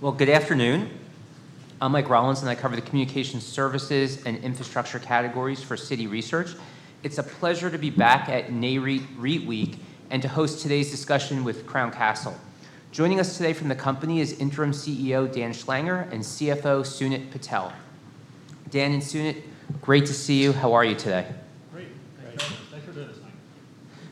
Good afternoon. I'm Mike Rollins, and I cover the communication services and infrastructure categories for Citi Research. It's a pleasure to be back at Nareit REITweek and to host today's discussion with Crown Castle. Joining us today from the company is Interim CEO Dan Schlanger and CFO Sunit Patel. Dan and Sunit, great to see you. How are you today? Great. Thanks for doing this, Mike.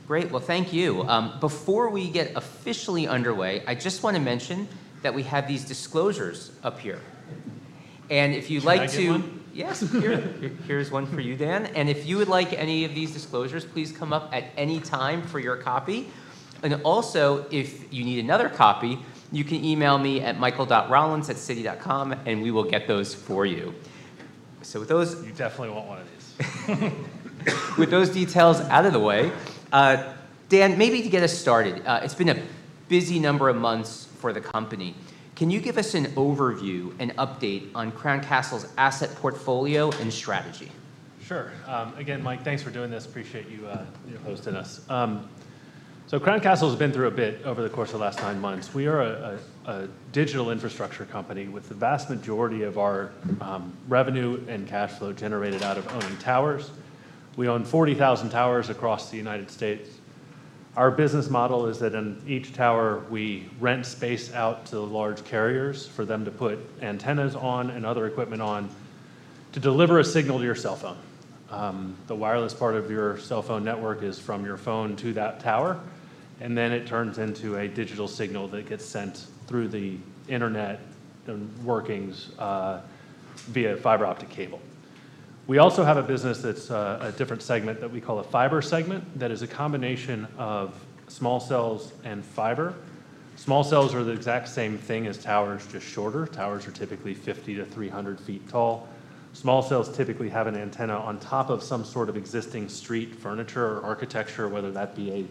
Great. Thank you. Before we get officially underway, I just want to mention that we have these disclosures up here. If you'd like to. Can I get one? Yes. Here's one for you, Dan. If you would like any of these disclosures, please come up at any time for your copy. Also, if you need another copy, you can email me at michael.rollins.citi.com, and we will get those for you. With those. You definitely want one of these. With those details out of the way, Dan, maybe to get us started, it's been a busy number of months for the company. Can you give us an overview, an update on Crown Castle's asset portfolio and strategy? Sure. Again, Mike, thanks for doing this. Appreciate you hosting us. Crown Castle has been through a bit over the course of the last nine months. We are a digital infrastructure company with the vast majority of our revenue and cash flow generated out of owning towers. We own 40,000 towers across the United States. Our business model is that in each tower, we rent space out to large carriers for them to put antennas on and other equipment on to deliver a signal to your cell phone. The wireless part of your cell phone network is from your phone to that tower, and then it turns into a digital signal that gets sent through the internet and workings via fiber optic cable. We also have a business that's a different segment that we call a fiber segment that is a combination of small cells and fiber. Small cells are the exact same thing as towers, just shorter. Towers are typically 50-300 feet tall. Small cells typically have an antenna on top of some sort of existing street furniture or architecture, whether that be a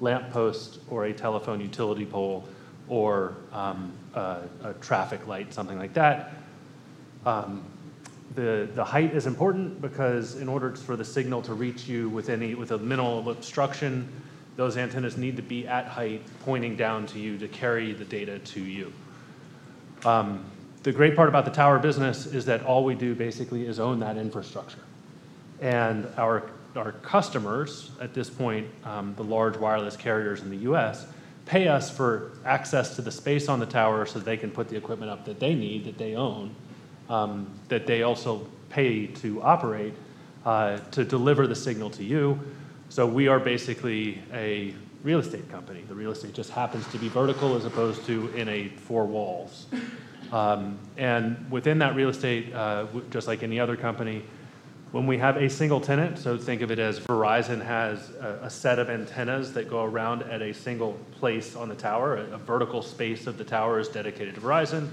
lamppost or a telephone utility pole or a traffic light, something like that. The height is important because in order for the signal to reach you with minimal obstruction, those antennas need to be at height, pointing down to you to carry the data to you. The great part about the tower business is that all we do basically is own that infrastructure. Our customers at this point, the large wireless carriers in the U.S., pay us for access to the space on the tower so they can put the equipment up that they need, that they own, that they also pay to operate to deliver the signal to you. We are basically a real estate company. The real estate just happens to be vertical as opposed to in four walls. Within that real estate, just like any other company, when we have a single tenant, think of it as Verizon has a set of antennas that go around at a single place on the tower, a vertical space of the tower is dedicated to Verizon.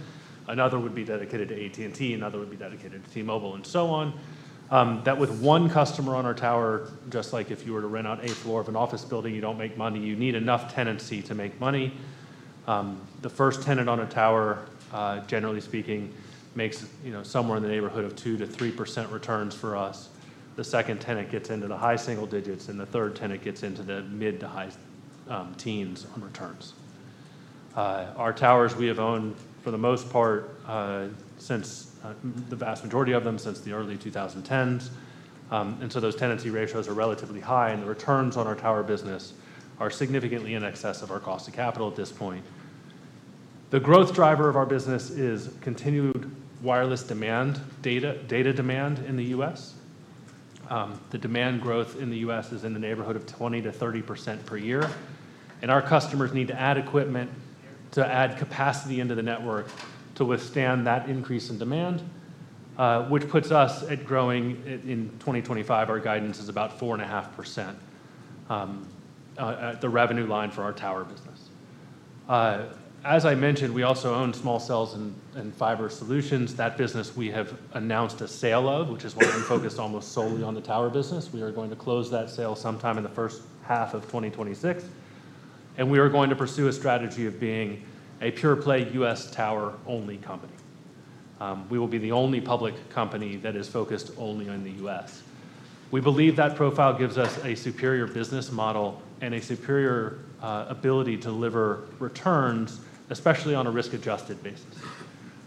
Another would be dedicated to AT&T. Another would be dedicated to T-Mobile and so on. That with one customer on our tower, just like if you were to rent out a floor of an office building, you do not make money. You need enough tenancy to make money. The first tenant on a tower, generally speaking, makes somewhere in the neighborhood of 2%-3% returns for us. The second tenant gets into the high single digits, and the third tenant gets into the mid to high teens on returns. Our towers, we have owned for the most part, since the vast majority of them, since the early 2010s. Those tenancy ratios are relatively high, and the returns on our tower business are significantly in excess of our cost of capital at this point. The growth driver of our business is continued wireless demand, data demand in the U.S. The demand growth in the U.S. is in the neighborhood of 20%-30% per year. Our customers need to add equipment to add capacity into the network to withstand that increase in demand, which puts us at growing in 2025. Our guidance is about 4.5% at the revenue line for our tower business. As I mentioned, we also own small cells and fiber solutions. That business we have announced a sale of, which is why I'm focused almost solely on the tower business. We are going to close that sale sometime in the first half of 2026. We are going to pursue a strategy of being a pure-play U.S. tower only company. We will be the only public company that is focused only on the U.S. We believe that profile gives us a superior business model and a superior ability to deliver returns, especially on a risk-adjusted basis.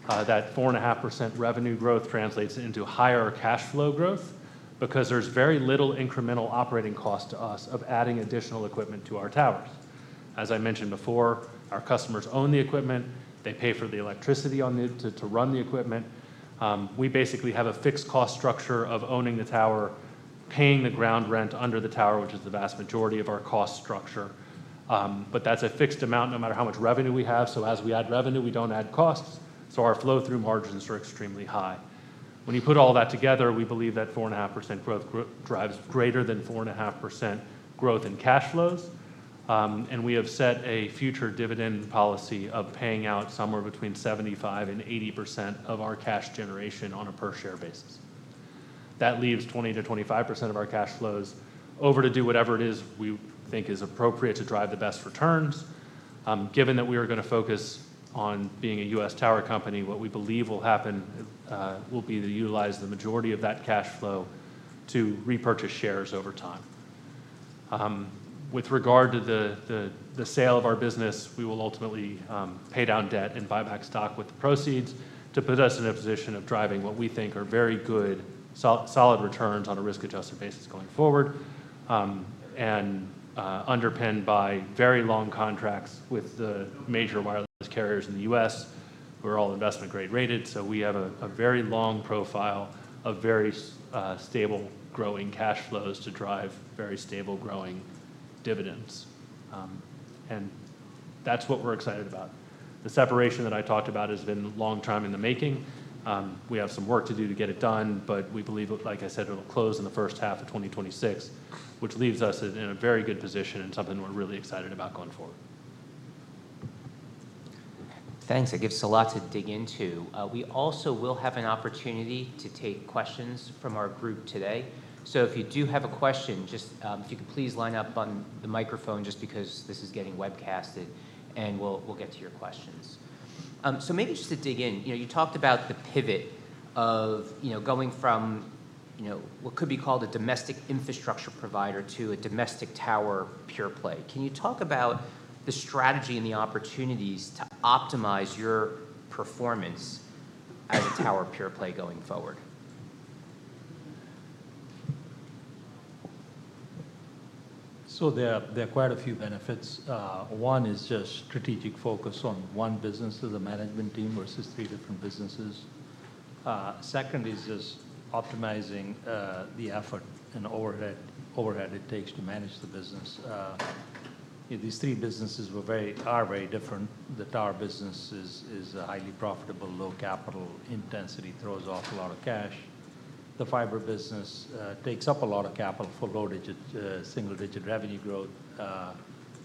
That 4.5% revenue growth translates into higher cash flow growth because there's very little incremental operating cost to us of adding additional equipment to our towers. As I mentioned before, our customers own the equipment. They pay for the electricity to run the equipment. We basically have a fixed cost structure of owning the tower, paying the ground rent under the tower, which is the vast majority of our cost structure. That is a fixed amount no matter how much revenue we have. As we add revenue, we do not add costs. Our flow-through margins are extremely high. When you put all that together, we believe that 4.5% growth drives greater than 4.5% growth in cash flows. We have set a future dividend policy of paying out somewhere between 75%-80% of our cash generation on a per-share basis. That leaves 20%-25% of our cash flows over to do whatever it is we think is appropriate to drive the best returns. Given that we are going to focus on being a U.S. tower company, what we believe will happen will be to utilize the majority of that cash flow to repurchase shares over time. With regard to the sale of our business, we will ultimately pay down debt and buy back stock with the proceeds to put us in a position of driving what we think are very good, solid returns on a risk-adjusted basis going forward and underpinned by very long contracts with the major wireless carriers in the U.S. We're all investment-grade rated, so we have a very long profile of very stable growing cash flows to drive very stable growing dividends. That's what we're excited about. The separation that I talked about has been a long time in the making. We have some work to do to get it done, but we believe, like I said, it'll close in the first half of 2026, which leaves us in a very good position and something we're really excited about going forward. Thanks. That gives us a lot to dig into. We also will have an opportunity to take questions from our group today. If you do have a question, just if you could please line up on the microphone just because this is getting webcasted, and we'll get to your questions. Maybe just to dig in, you talked about the pivot of going from what could be called a domestic infrastructure provider to a domestic tower pure-play. Can you talk about the strategy and the opportunities to optimize your performance as a tower pure-play going forward? There are quite a few benefits. One is just strategic focus on one business as a management team versus three different businesses. Second is just optimizing the effort and overhead it takes to manage the business. These three businesses are very different. The tower business is a highly profitable, low-capital intensity, throws off a lot of cash. The fiber business takes up a lot of capital for low-single-digit revenue growth. A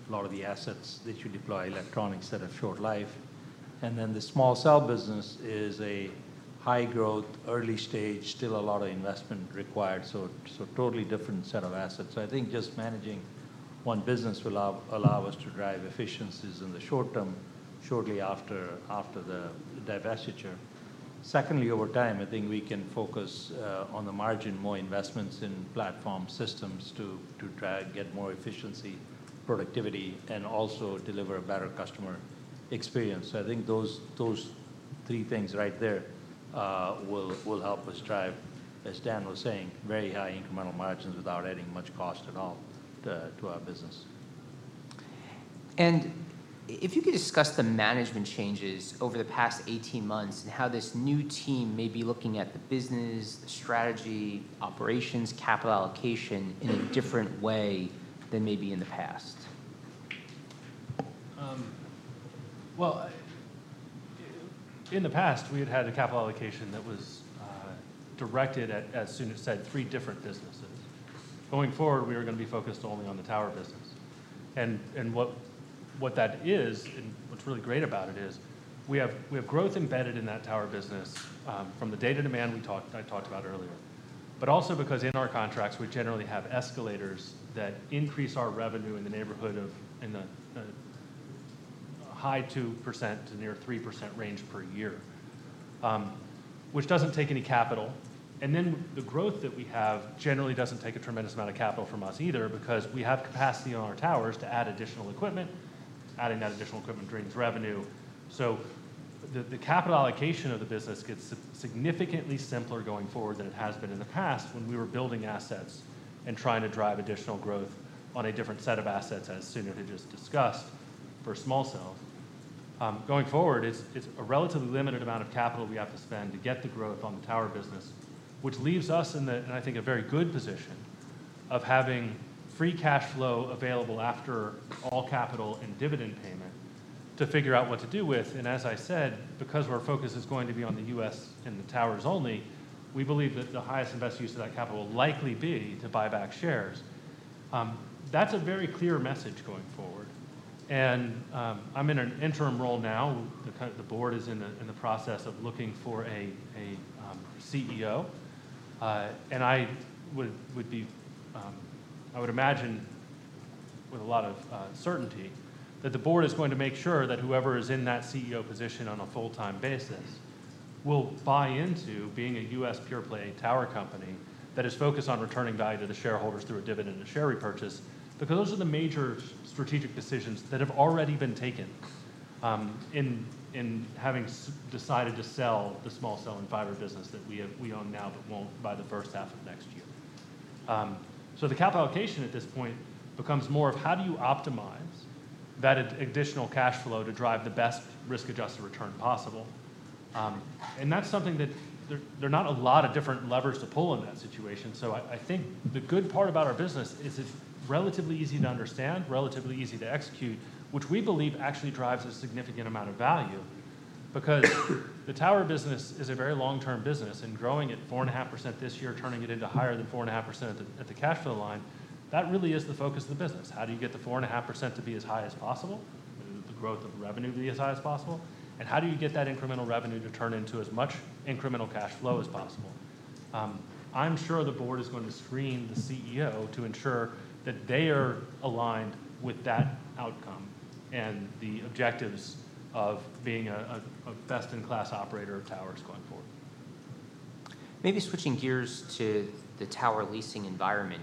lot of the assets, they should deploy electronics that have short life. The small cell business is a high-growth, early-stage, still a lot of investment required, so totally different set of assets. I think just managing one business will allow us to drive efficiencies in the short term, shortly after the divestiture. Secondly, over time, I think we can focus on the margin, more investments in platform systems to get more efficiency, productivity, and also deliver a better customer experience. I think those three things right there will help us drive, as Dan was saying, very high incremental margins without adding much cost at all to our business. If you could discuss the management changes over the past 18 months and how this new team may be looking at the business, the strategy, operations, capital allocation in a different way than maybe in the past. In the past, we had had a capital allocation that was directed at, as Sunit said, three different businesses. Going forward, we were going to be focused only on the tower business. What that is, and what's really great about it, is we have growth embedded in that tower business from the data demand we talked about earlier. Also, because in our contracts, we generally have escalators that increase our revenue in the neighborhood of high 2% to near 3% range per year, which does not take any capital. The growth that we have generally does not take a tremendous amount of capital from us either because we have capacity on our towers to add additional equipment. Adding that additional equipment brings revenue. The capital allocation of the business gets significantly simpler going forward than it has been in the past when we were building assets and trying to drive additional growth on a different set of assets, as Sunit had just discussed, for small cells. Going forward, it's a relatively limited amount of capital we have to spend to get the growth on the tower business, which leaves us in, I think, a very good position of having free cash flow available after all capital and dividend payment to figure out what to do with. As I said, because our focus is going to be on the U.S. and the towers only, we believe that the highest and best use of that capital will likely be to buy back shares. That's a very clear message going forward. I'm in an interim role now. The Board is in the process of looking for a CEO. I would imagine with a lot of certainty that the Board is going to make sure that whoever is in that CEO position on a full-time basis will buy into being a U.S. pure-play tower company that is focused on returning value to the shareholders through a dividend and share repurchase because those are the major strategic decisions that have already been taken in having decided to sell the small cell and fiber business that we own now but will not by the first half of next year. The capital allocation at this point becomes more of how do you optimize that additional cash flow to drive the best risk-adjusted return possible. That is something that there are not a lot of different levers to pull in that situation. I think the good part about our business is it's relatively easy to understand, relatively easy to execute, which we believe actually drives a significant amount of value because the tower business is a very long-term business. Growing at 4.5% this year, turning it into higher than 4.5% at the cash flow line, that really is the focus of the business. How do you get the 4.5% to be as high as possible, the growth of revenue to be as high as possible? How do you get that incremental revenue to turn into as much incremental cash flow as possible? I'm sure the Board is going to screen the CEO to ensure that they are aligned with that outcome and the objectives of being a best-in-class operator of towers going forward. Maybe switching gears to the tower leasing environment,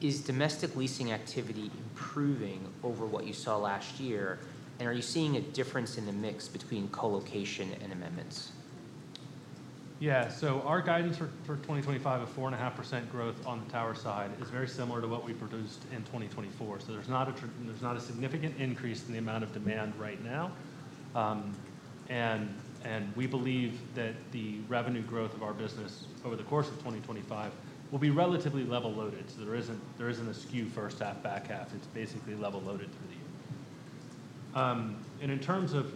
is domestic leasing activity improving over what you saw last year? Are you seeing a difference in the mix between colocation and amendments? Yeah. Our guidance for 2025 of 4.5% growth on the tower side is very similar to what we produced in 2024. There is not a significant increase in the amount of demand right now. We believe that the revenue growth of our business over the course of 2025 will be relatively level loaded. There is not a skew first half, back half. It is basically level loaded through the year. In terms of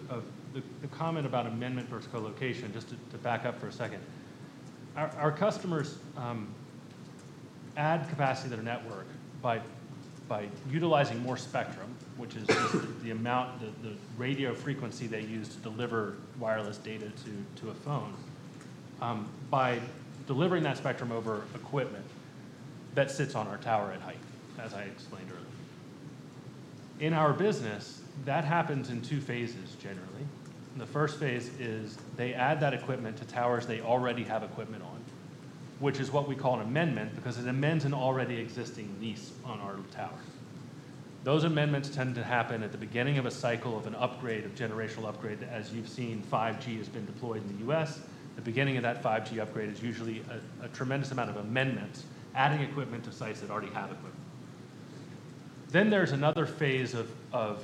the comment about amendment versus colocation, just to back up for a second, our customers add capacity to their network by utilizing more spectrum, which is the amount, the radio frequency they use to deliver wireless data to a phone, by delivering that spectrum over equipment that sits on our tower at height, as I explained earlier. In our business, that happens in two phases, generally. The first phase is they add that equipment to towers they already have equipment on, which is what we call an amendment because it amends an already existing lease on our tower. Those amendments tend to happen at the beginning of a cycle of an upgrade, a generational upgrade. As you've seen, 5G has been deployed in the U.S. The beginning of that 5G upgrade is usually a tremendous amount of amendments, adding equipment to sites that already have equipment. There is another phase of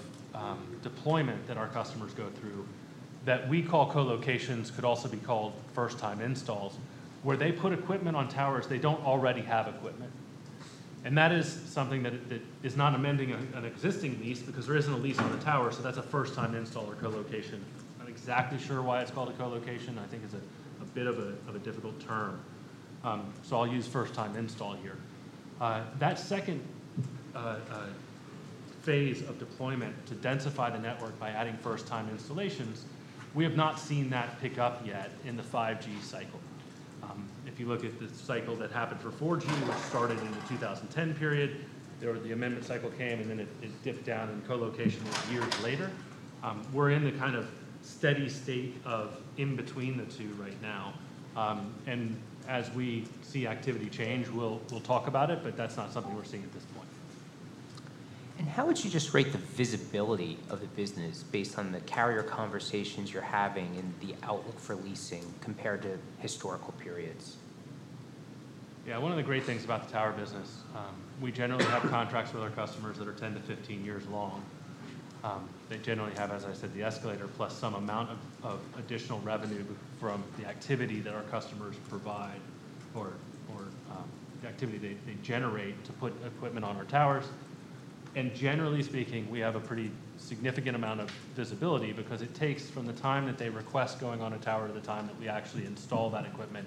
deployment that our customers go through that we call colocations, could also be called first-time installs, where they put equipment on towers they do not already have equipment. That is something that is not amending an existing lease because there is not a lease on the tower. That is a first-time install or colocation. I'm not exactly sure why it's called a Colocation. I think it's a bit of a difficult term. I'll use first-time install here. That second phase of deployment to densify the network by adding first-time installations, we have not seen that pick up yet in the 5G cycle. If you look at the cycle that happened for 4G, which started in the 2010 period, the amendment cycle came, and then it dipped down in colocation years later. We're in the kind of steady state of in between the two right now. As we see activity change, we'll talk about it, but that's not something we're seeing at this point. How would you just rate the visibility of the business based on the carrier conversations you're having and the outlook for leasing compared to historical periods? Yeah. One of the great things about the tower business, we generally have contracts with our customers that are 10-15 years long. They generally have, as I said, the escalator plus some amount of additional revenue from the activity that our customers provide or the activity they generate to put equipment on our towers. Generally speaking, we have a pretty significant amount of visibility because it takes from the time that they request going on a tower to the time that we actually install that equipment,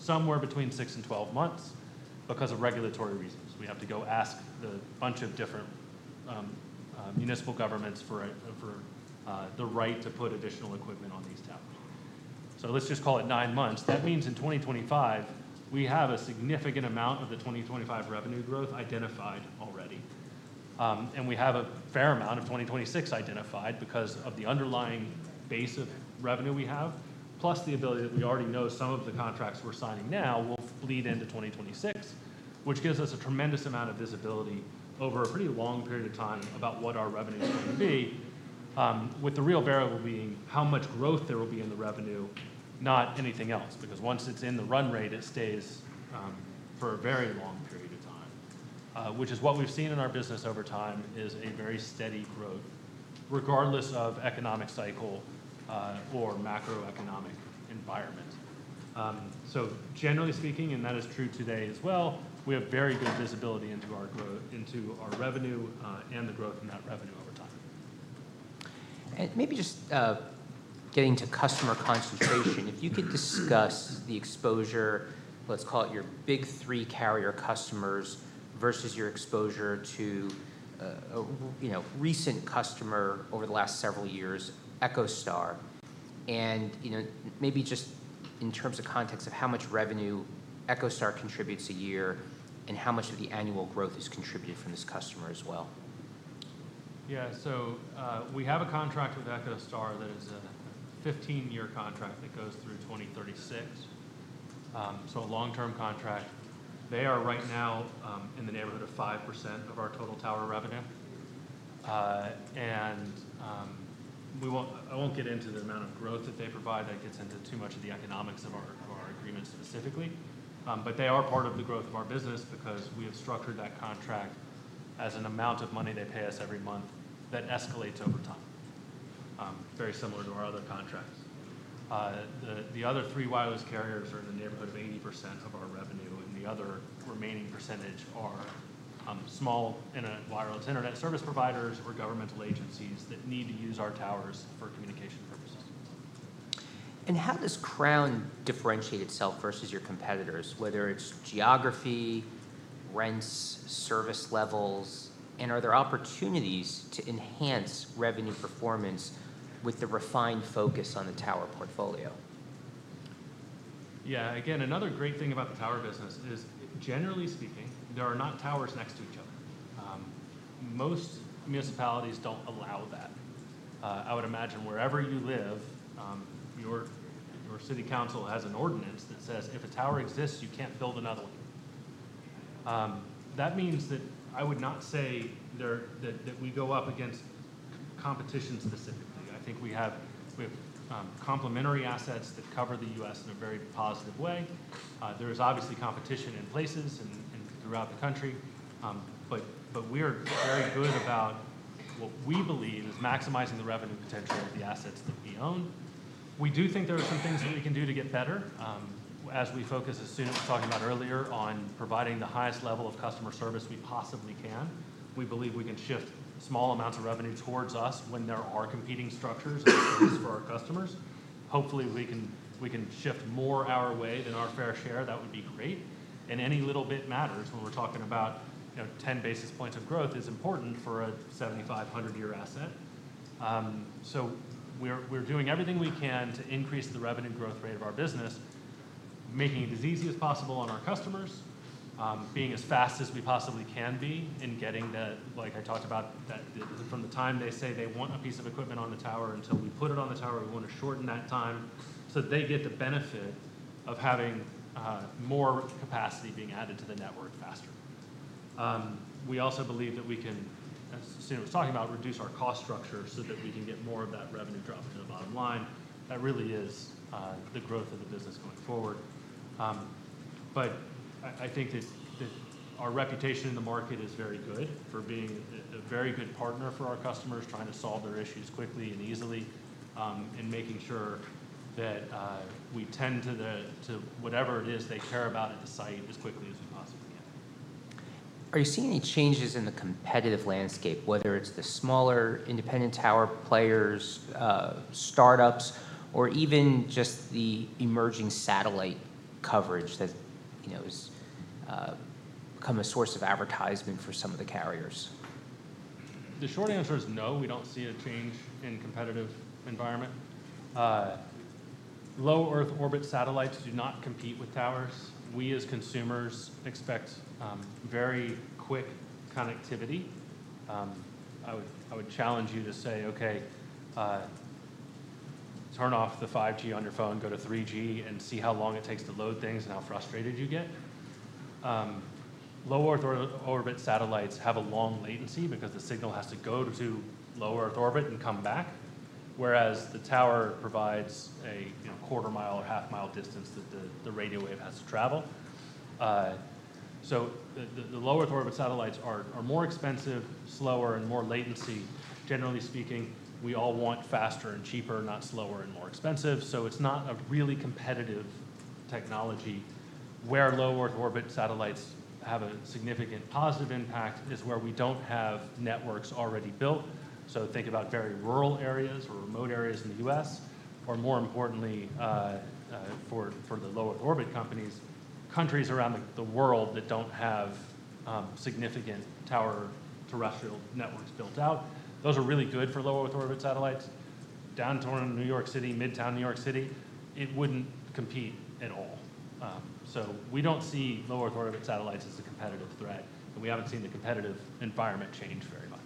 somewhere between six and 12 months because of regulatory reasons. We have to go ask a bunch of different municipal governments for the right to put additional equipment on these towers. Let's just call it nine months. That means in 2025, we have a significant amount of the 2025 revenue growth identified already. We have a fair amount of 2026 identified because of the underlying base of revenue we have, plus the ability that we already know some of the contracts we're signing now will bleed into 2026, which gives us a tremendous amount of visibility over a pretty long period of time about what our revenue is going to be, with the real variable being how much growth there will be in the revenue, not anything else, because once it's in the run rate, it stays for a very long period of time, which is what we've seen in our business over time is a very steady growth regardless of economic cycle or macroeconomic environment. Generally speaking, and that is true today as well, we have very good visibility into our growth, into our revenue, and the growth in that revenue over time. Maybe just getting to customer concentration. If you could discuss the exposure, let's call it your big three carrier customers versus your exposure to recent customer over the last several years, EchoStar. Maybe just in terms of context of how much revenue EchoStar contributes a year and how much of the annual growth is contributed from this customer as well. Yeah. We have a contract with EchoStar that is a 15-year contract that goes through 2036. A long-term contract. They are right now in the neighborhood of 5% of our total tower revenue. I won't get into the amount of growth that they provide, that gets into too much of the economics of our agreement specifically. They are part of the growth of our business because we have structured that contract as an amount of money they pay us every month that escalates over time, very similar to our other contracts. The other three wireless carriers are in the neighborhood of 80% of our revenue, and the other remaining percentage are small internet wireless internet service providers or governmental agencies that need to use our towers for communication purposes. How does Crown differentiate itself versus your competitors, whether it's geography, rents, service levels, and are there opportunities to enhance revenue performance with the refined focus on the tower portfolio? Yeah. Again, another great thing about the tower business is, generally speaking, there are not towers next to each other. Most municipalities do not allow that. I would imagine wherever you live, your city council has an ordinance that says if a tower exists, you cannot build another one. That means that I would not say that we go up against competition specifically. I think we have complementary assets that cover the U.S. in a very positive way. There is obviously competition in places and throughout the country. We are very good about what we believe is maximizing the revenue potential of the assets that we own. We do think there are some things that we can do to get better. As we focus, as Sunit was talking about earlier, on providing the highest level of customer service we possibly can, we believe we can shift small amounts of revenue towards us when there are competing structures for our customers. Hopefully, we can shift more our way than our fair share. That would be great. Any little bit matters when we're talking about 10 basis points of growth is important for a 7,500-year asset. We're doing everything we can to increase the revenue growth rate of our business, making it as easy as possible on our customers, being as fast as we possibly can be in getting that, like I talked about, from the time they say they want a piece of equipment on the tower until we put it on the tower. We want to shorten that time so they get the benefit of having more capacity being added to the network faster. We also believe that we can, as Sunit was talking about, reduce our cost structure so that we can get more of that revenue dropped to the bottom line. That really is the growth of the business going forward. I think that our reputation in the market is very good for being a very good partner for our customers, trying to solve their issues quickly and easily and making sure that we tend to whatever it is they care about at the site as quickly as we possibly can. Are you seeing any changes in the competitive landscape, whether it's the smaller independent tower players, startups, or even just the emerging satellite coverage that has become a source of advertisement for some of the carriers? The short answer is no. We do not see a change in competitive environment. Low Earth Orbit satellites do not compete with towers. We, as consumers, expect very quick connectivity. I would challenge you to say, "Okay, turn off the 5G on your phone, go to 3G, and see how long it takes to load things and how frustrated you get." Low Earth orbit satellites have a long latency because the signal has to go to Low Earth Orbit and come back, whereas the tower provides a quarter mile or half mile distance that the radio wave has to travel. The Low Earth Orbit satellites are more expensive, slower, and more latency. Generally speaking, we all want faster and cheaper, not slower and more expensive. It is not a really competitive technology. Where Low Earth Orbit satellites have a significant positive impact is where we do not have networks already built. Think about very rural areas or remote areas in the U.S., or more importantly, for the Low Earth Orbit companies, countries around the world that do not have significant tower terrestrial networks built out. Those are really good for Low Earth Orbit satellites. Downtown New York City, midtown New York City, it would not compete at all. We do not see Low Earth Orbit satellites as a competitive threat, and we have not seen the competitive environment change very much.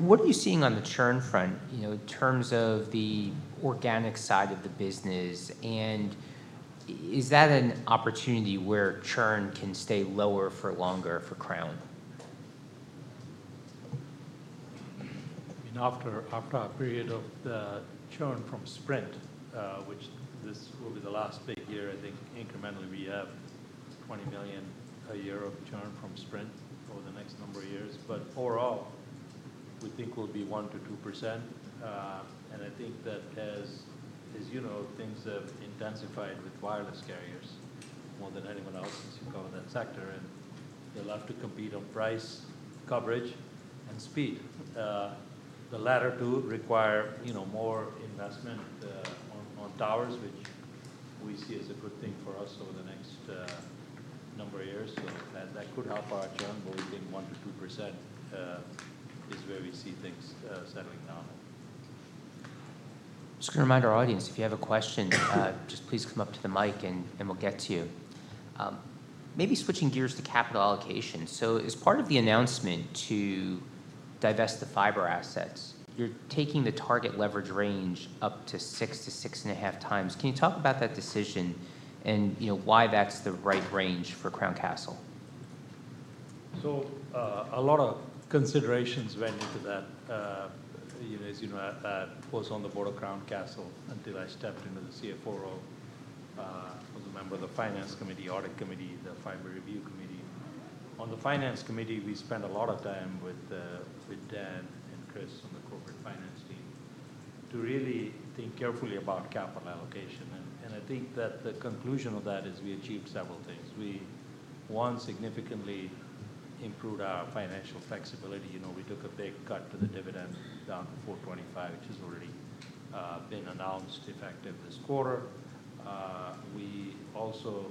What are you seeing on the churn front in terms of the organic side of the business? Is that an opportunity where churn can stay lower for longer for Crown? I mean, after a period of churn from Sprint, which this will be the last big year, I think incrementally we have $20 million a year of churn from Sprint over the next number of years. Overall, we think we'll be 1%-2%. I think that as you know, things have intensified with wireless carriers more than anyone else since you've come in that sector. They love to compete on price, coverage, and speed. The latter two require more investment on towers, which we see as a good thing for us over the next number of years. That could help our churn, but we think 1%-2% is where we see things settling down. Just going to remind our audience, if you have a question, just please come up to the mic and we'll get to you. Maybe switching gears to capital allocation. As part of the announcement to divest the fiber assets, you're taking the target leverage range up to 6-6.5x. Can you talk about that decision and why that's the right range for Crown Castle? A lot of considerations went into that. As you know, I was on the Board of Crown Castle until I stepped into the CFO role. I was a member of the Finance Committee, Audit Committee, the Fiber Review Committee. On the Finance Committee, we spent a lot of time with Dan and Chris on the Corporate Finance Team to really think carefully about capital allocation. I think that the conclusion of that is we achieved several things. We, one, significantly improved our financial flexibility. We took a big cut to the dividend down to $4.25, which has already been announced effective this quarter. We also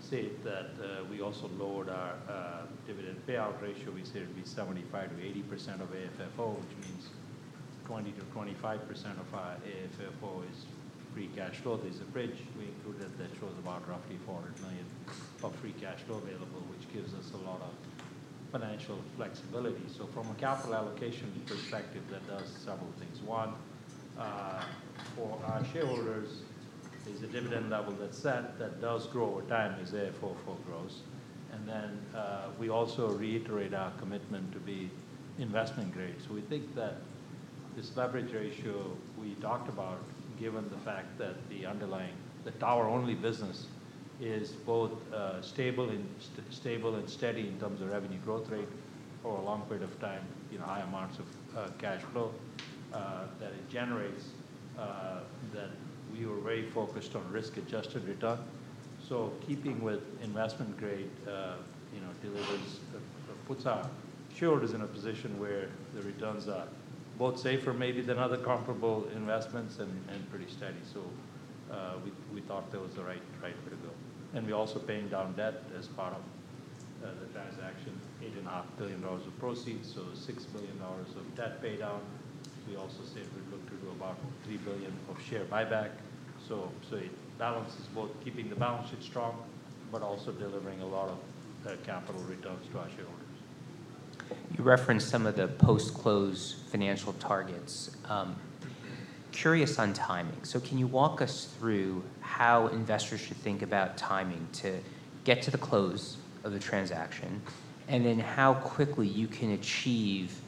said that we also lowered our dividend payout ratio. We said it'd be 75%-80% of AFFO, which means 20%-25% of our AFFO is free cash flow. There's a bridge we included that shows about roughly $400 million of free cash flow available, which gives us a lot of financial flexibility. From a capital allocation perspective, that does several things. One, for our shareholders, there's a dividend level that's set that does grow over time as AFFO grows. We also reiterate our commitment to be investment grade. We think that this leverage ratio we talked about, given the fact that the underlying tower-only business is both stable and steady in terms of revenue growth rate over a long period of time, high amounts of cash flow that it generates, that we were very focused on risk-adjusted return. Keeping with investment grade delivers or puts our shareholders in a position where the returns are both safer maybe than other comparable investments and pretty steady. We thought that was the right way to go. We also paid down debt as part of the transaction, $8.5 billion of proceeds. $6 billion of debt paid down. We also said we're going to do about $3 billion of share buyback. It balances both keeping the balance sheet strong, but also delivering a lot of capital returns to our shareholders. You referenced some of the post-close financial targets. Curious on timing. Can you walk us through how investors should think about timing to get to the close of the transaction and then how quickly you can achieve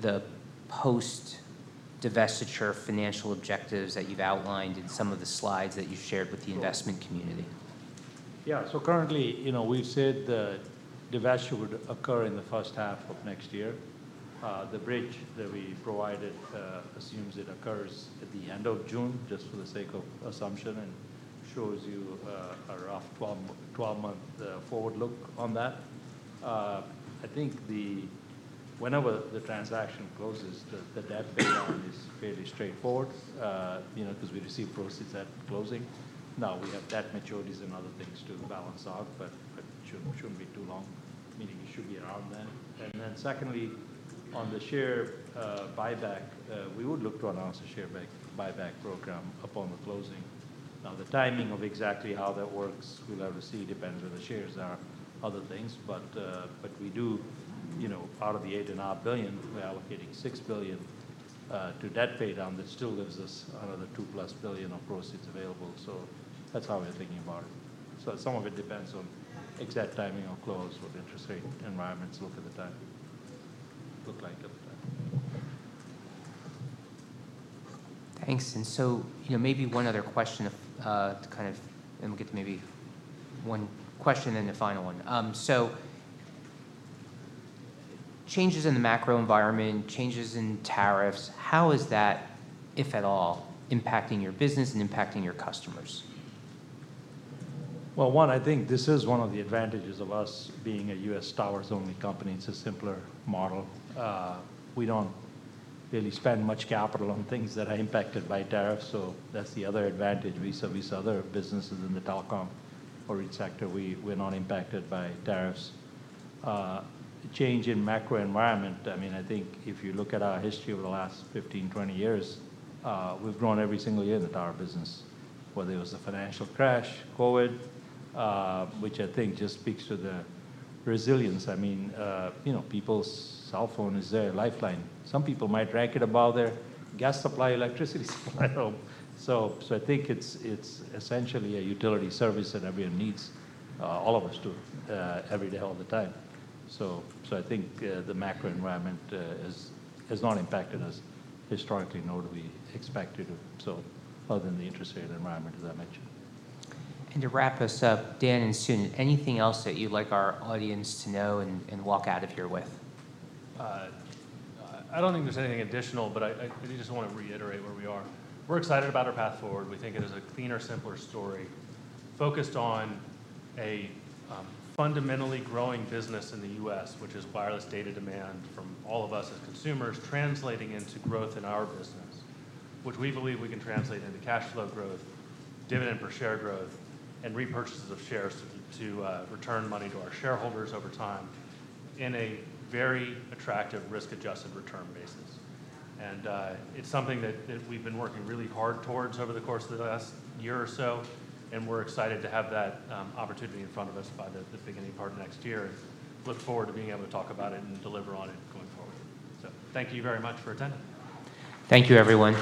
the post-divestiture financial objectives that you've outlined in some of the slides that you shared with the investment community? Yeah. Currently, we've said the divestiture would occur in the first half of next year. The bridge that we provided assumes it occurs at the end of June, just for the sake of assumption, and shows you a rough 12-month forward look on that. I think whenever the transaction closes, the debt payout is fairly straightforward because we receive proceeds at closing. Now, we have debt maturities and other things to balance out, but it shouldn't be too long, meaning it should be around then. Secondly, on the share buyback, we would look to announce a share buyback program upon the closing. Now, the timing of exactly how that works, we'll have to see. It depends where the shares are, other things. We do, out of the $8.5 billion, we're allocating $6 billion to debt paid down. That still gives us another $2+ billion of proceeds available. That is how we're thinking about it. Some of it depends on exact timing of close, what interest rate environments look like at the time. Thanks. Maybe one other question to kind of, and we'll get to maybe one question and the final one. Changes in the macro environment, changes in tariffs, how is that, if at all, impacting your business and impacting your customers? I think this is one of the advantages of us being a US towers-only company. It's a simpler model. We don't really spend much capital on things that are impacted by tariffs. That's the other advantage. Vis-à-vis other businesses in the telecom or each sector, we're not impacted by tariffs. Change in macro environment, I mean, I think if you look at our history over the last 15, 20 years, we've grown every single year in the tower business, whether it was the financial crash, COVID, which I think just speaks to the resilience. I mean, people's cell phone is their lifeline. Some people might rank it above their gas supply, electricity supply. I think it's essentially a utility service that everyone needs, all of us do, every day, all the time. I think the macro environment has not impacted us historically nor do we expect it to, other than the interest rate environment that I mentioned. To wrap us up, Dan and Sunit, anything else that you'd like our audience to know and walk out of here with? I don't think there's anything additional, but I just want to reiterate where we are. We're excited about our path forward. We think it is a cleaner, simpler story focused on a fundamentally growing business in the U.S., which is wireless data demand from all of us as consumers translating into growth in our business, which we believe we can translate into cash flow growth, dividend per share growth, and repurchases of shares to return money to our shareholders over time in a very attractive risk-adjusted return basis. It's something that we've been working really hard towards over the course of the last year or so. We're excited to have that opportunity in front of us by the beginning part of next year. We look forward to being able to talk about it and deliver on it going forward. Thank you very much for attending. Thank you, everyone.